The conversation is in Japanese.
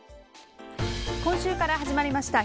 今週から始まりました